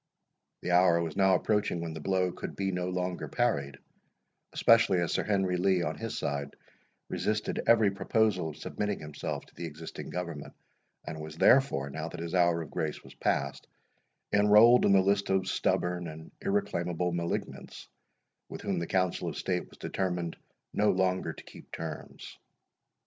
The hour was now approaching when the blow could be no longer parried, especially as Sir Henry Lee, on his side, resisted every proposal of submitting himself to the existing government, and was therefore, now that his hour of grace was passed, enrolled in the list of stubborn and irreclaimable malignants, with whom the Council of State was determined no longer to keep terms.